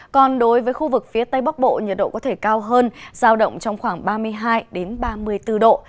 còn đối với khu vực phía tây bắc bộ nhiệt độ có thể cao hơn giao động trong khoảng ba mươi hai ba mươi bốn độ